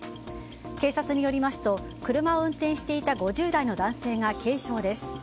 警察によりますと車を運転していた５０代の男性が軽傷です。